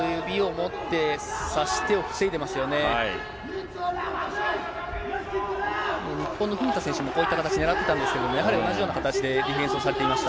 もう日本の文田選手もこういった形をねらってたんですけど、やはり同じような形でディフェンスをされていました。